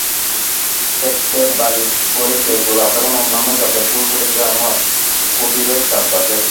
ক্ষেতে বার্লি ফলেছে, গোলাপ এবং অন্যান্য জাতের ফুল ফুটেছে আমার কুটীরের চারপাশে।